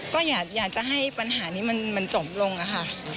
ก็อยากจะให้ปัญหานี้มันจบลงอะค่ะ